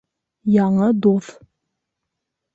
ЯҢЫ ДУҪ